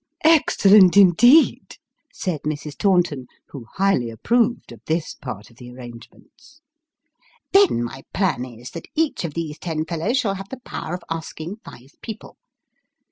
" Excellent, indeed !" said Mrs. Taunton, who highly approved of this part of the arrangements. " Then, my plan is, that each of these ten fellows shall have the power of asking five people.